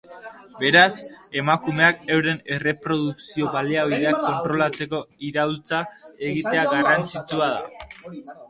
Beraz, emakumeak euren erreprodukzio baliabideak kontrolatzeko iraultza egitea garrantzitsua da.